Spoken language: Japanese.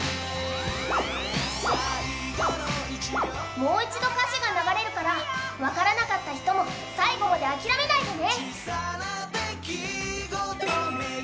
もう一度歌詞が流れるから分からなかった人も最後まで諦めないでね。